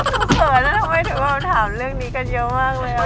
เผื่อเผยนะทำไมถึงว่าผมถามเรื่องนี้กันเยอะมากเลยอะ